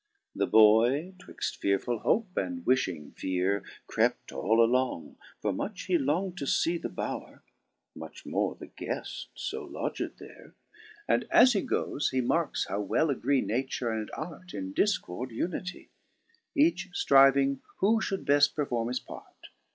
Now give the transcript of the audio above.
6. The boy *twixt fearefull hope, and wiftiing feare. Crept all along (for much he long'd to fee The bower, much more the gueft fo lodged there ;) And, as he goes, he marks how well agree Nature and Arte in difcord unity, Each driving who fliould befl: performe his part.